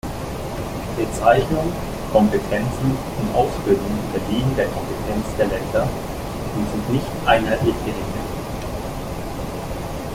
Bezeichnung, Kompetenzen und Ausbildung unterliegen der Kompetenz der Länder und sind nicht einheitlich geregelt.